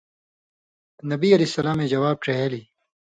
نبی علیہ سلامے سوال جواب ڇِہېلیۡ